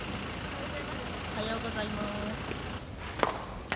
おはようございます。